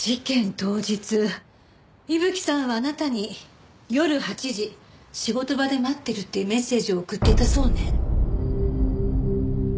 当日伊吹さんはあなたに「夜８時仕事場で待ってる」っていうメッセージを送っていたそうね。